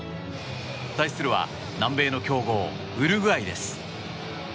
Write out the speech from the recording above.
対するは南米の強豪ウルグアイです。